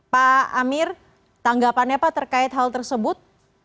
pak amir tanggapannya pak terkait hal tersebut